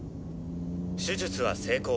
手術は成功！